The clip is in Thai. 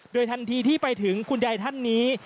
โดยทันทีที่ไปถึงคุณยายท่านนี้